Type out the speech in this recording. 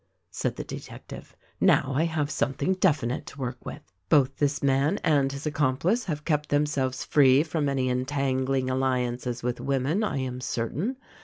said the detective, "Now I have something definite to work with. Both this man and his accomplice have kept themselves free from any entangling alliances with women, I am certain.